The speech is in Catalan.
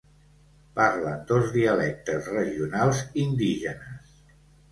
Parlen dos dialectes regionals indígenes.